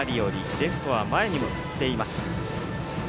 レフトは前に来ています。